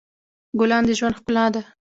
ګلان د ژوند ښکلا ده.